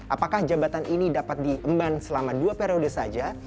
apakah jabatan ini dapat diemban selama dua periode saja